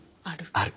ある。